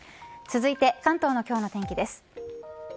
続いて関東の今日の天気です。